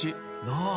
なあ。